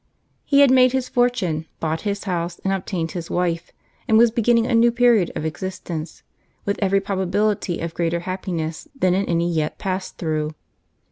He had made his fortune, bought his house, and obtained his wife; and was beginning a new period of existence, with every probability of greater happiness than in any yet passed through.